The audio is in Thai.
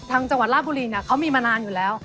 จังหวัดราชบุรีเนี่ยเขามีมานานอยู่แล้ว